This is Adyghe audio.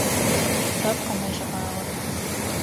Бэп къэнэжьыгъагъэр.